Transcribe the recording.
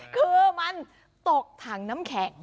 คือมันตกถังน้ำแข็ง